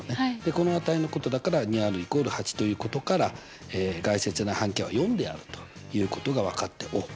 この値のことだから２Ｒ＝８ということから外接円の半径は４であるということが分かっておっ